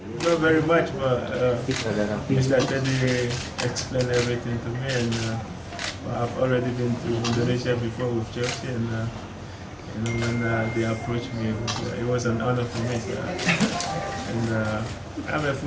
ketika mereka mencari saya itu merupakan kehormatan untuk saya